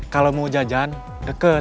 kalau mau jajan deket